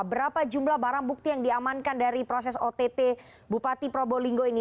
berapa jumlah barang bukti yang diamankan dari proses ott bupati probolinggo ini